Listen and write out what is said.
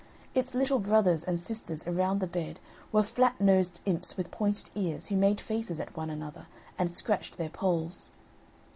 Its little brothers and sisters around the bed were flat nosed imps with pointed ears, who made faces at one another, and scratched their polls.